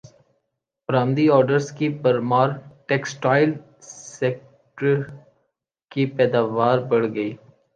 برامدی orders کی بھرمار textile سیکٹرکی پیداوار بڑھ گئی